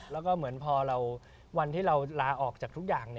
แล้วก็เหมือนพอวันที่เราลาออกจากทุกอย่าง